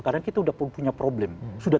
karena kita udah punya problem sudah